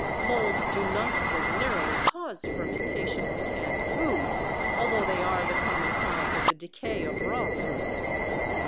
Molds do not ordinarily cause fermentation of canned foods, although they are the common cause of the decay of raw fruits.